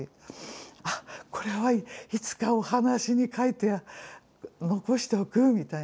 あっこれはいつかお話に書いて残しておくみたいなね